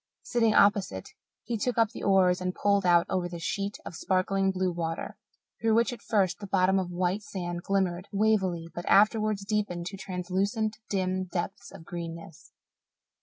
Sitting opposite, he took up the oars and pulled out over the sheet of sparkling blue water, through which at first the bottom of white sand glimmered wavily but afterwards deepened to translucent, dim depths of greenness.